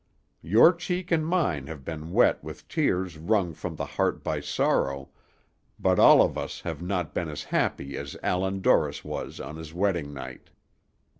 Your cheek and mine have been wet with tears wrung from the heart by sorrow, but all of us have not been as happy as Allan Dorris was on his wedding night.